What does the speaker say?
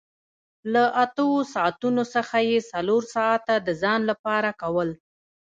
له اتو ساعتونو څخه یې څلور ساعته د ځان لپاره کول